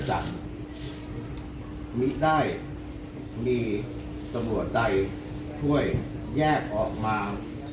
จันทร์มีได้มีตรวจใดช่วยแยกออกมา